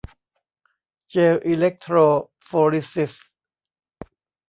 เจลอิเล็กโทรโฟริซิส